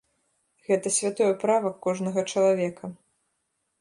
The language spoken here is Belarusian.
Гэта святое права кожнага чалавека.